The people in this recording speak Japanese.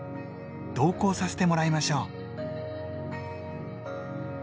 同行させてもらいましょう。